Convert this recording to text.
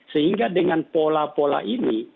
sehingga dengan pola pola ini